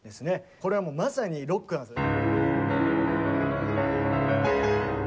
これはもうまさにロックなんですね。